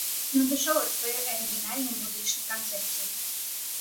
Ён адышоў ад сваёй арыгінальнай музычнай канцэпцыі.